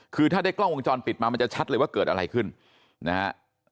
คือถ้าได้กล้องวงจรปิดมามันจะชัดเลยว่าเกิดอะไรขึ้นนะฮะ